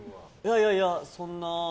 いやいや、そんな。